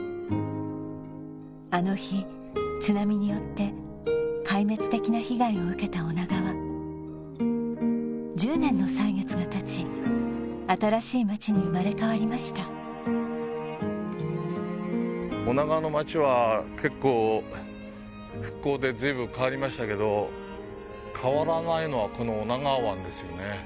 あの日津波によって壊滅的な被害を受けた女川１０年の歳月がたち新しい町に生まれ変わりました女川の町は結構復興で随分変わりましたけど変わらないのはこの女川湾ですよね